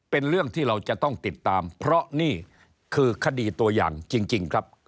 เป็นเรื่องที่เราจะต้องติดตามเพราะนี่คือคดีตัวอย่างจริงครับ